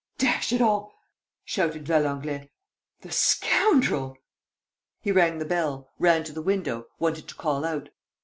"Dash it all!" shouted Valenglay. "The scoundrel!" He rang the bell, ran to the window, wanted to call out.